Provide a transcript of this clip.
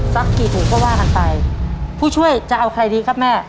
สักกี่ถุงก็ว่ากันไปผู้ช่วยจะเอาใครดีครับแม่